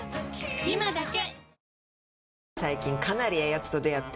今だけ！